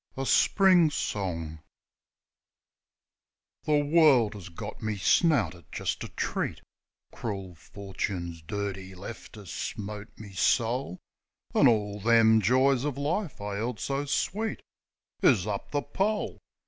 ,,« A Spring Song HE world 'as got me snouted jist a treat ; Crool Forchin's dirty left 'as smote me soul ; An' all them joys o' life I 'eld so sweet Is up the pole.